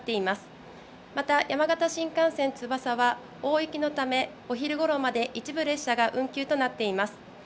また山形新幹線つばさは大雪のため、お昼ごろまで一部列車が運休となっています。